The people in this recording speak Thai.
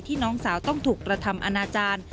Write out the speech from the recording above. น้องสาวต้องถูกกระทำอนาจารย์